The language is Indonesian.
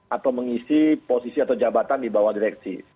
atau mengisi posisi atau jabatan di bawah direksi